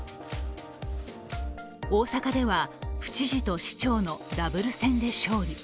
大阪では府知事と市長のダブル選で勝利。